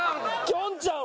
きょんちゃん。